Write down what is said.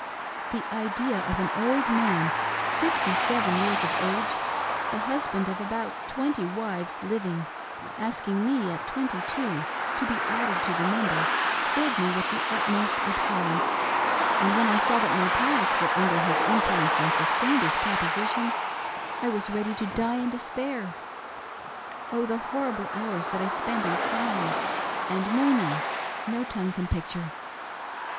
The idea of an old man, sixty seven years of age, the husband of about twenty wives living, asking me, at twenty two, to be added to the number filled me with the utmost abhorrence, and when I saw that my parents were under his influence and sustained his proposition, 1 was ready to die in despajr. Oh ! the horrible hours tuat I spent in crying and moaning, no tongue can picture.